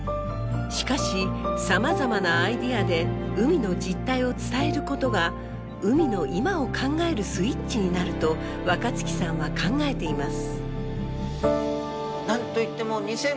しかしさまざまなアイデアで海の実態を伝えることが海の今を考えるスイッチになると若月さんは考えています。